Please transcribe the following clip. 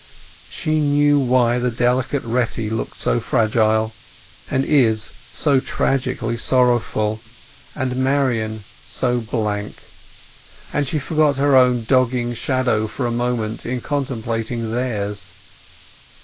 She knew why the delicate Retty looked so fragile, and Izz so tragically sorrowful, and Marian so blank; and she forgot her own dogging shadow for a moment in contemplating theirs.